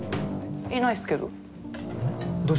いないっすけど。